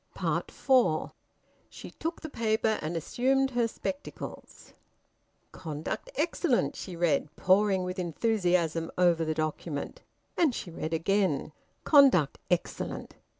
FOUR. She took the paper, and assumed her spectacles. "Conduct Excellent," she read, poring with enthusiasm over the document. And she read again: "Conduct Excellent."